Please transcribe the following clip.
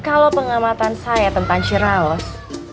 kalau pengamatan saya tentang shiraos